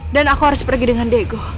dan aku harus pergi dengan diego